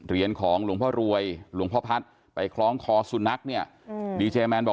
ทุกคนพร้อมให้อภัยนะครับ